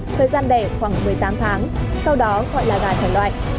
thời gian đẻ khoảng một mươi tám tháng sau đó gọi là gà thể loại